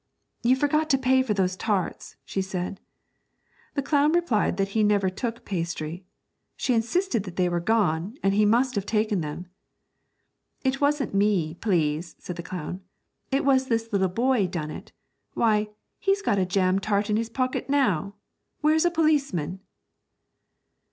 'You forgot to pay for those tarts,' she said. The clown replied that he never took pastry. She insisted that they were gone, and he must have taken them. 'It wasn't me, please,' said the clown; 'it was this little boy done it. Why, he's got a jam tart in his pocket now. Where's a policeman?'